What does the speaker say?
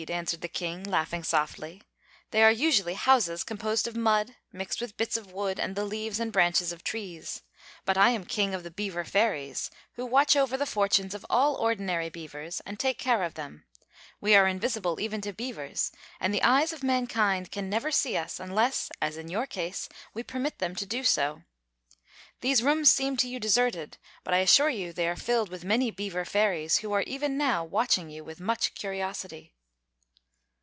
answered the King, laughing softly. "They are usually houses composed of mud, mixed with bits of wood and the leaves and branches of trees. But I am King of the Beaver Fairies, who watch over the fortunes of all ordinary beavers and take care of them. We are invisible, even to beavers; and the eyes of mankind can never see us unless, as in your case, we permit them to do so. These rooms seem to you deserted, but I assure you they are filled with many beaver fairies, who are even now watching you with much curiosity."